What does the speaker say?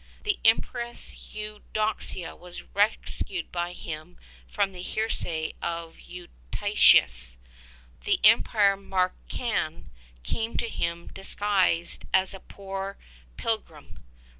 The Empress Eu doxia was rescued by him from the heresy of Eutychus : the Emperor Marcian came to him disguised as a poor pilgrim.